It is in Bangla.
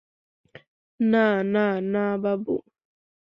না, না, না, বাবু।